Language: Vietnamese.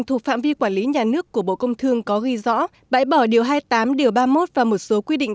thuộc phạm vi quản lý nhà nước của bộ công thương có ghi rõ bãi bỏ điều hai mươi tám điều ba mươi một và một số quy định